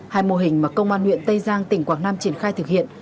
hai mô hình mà công an huyện tây giang tỉnh quảng nam triển khai thực hiện